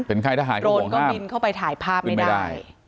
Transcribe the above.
เป็นไข้ทหารข้างห่วงข้ามโดรนก็บินเข้าไปถ่ายภาพไม่ได้